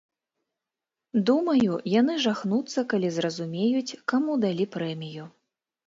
Думаю, яны жахнуцца, калі зразумеюць, каму далі прэмію.